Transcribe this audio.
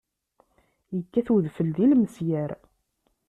Ikkat wedfel d ilmesyar!